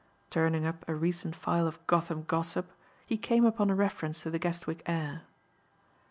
Turning up a recent file of Gotham Gossip he came upon a reference to the Guestwick heir.